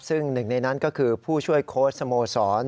ซึ่งหนึ่งในนั้นก็คือผู้ช่วยโค้ชสโมสร